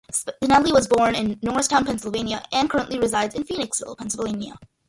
Spinelli was born in Norristown, Pennsylvania and currently resides in Phoenixville, Pennsylvania.